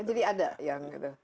jadi ada yang gitu